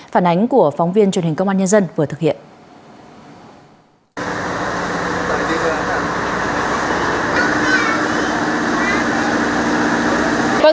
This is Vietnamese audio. phản ánh của phóng viên truyền hình công an nhân dân vừa thực hiện